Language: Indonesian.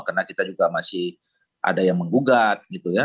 karena kita juga masih ada yang menggugat gitu ya